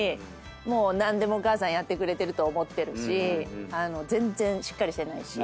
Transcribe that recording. もう何でもお母さんやってくれてると思ってるし全然しっかりしてないし。